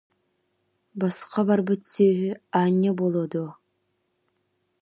Босхо барбыт сүөһү аанньа буолуо дуо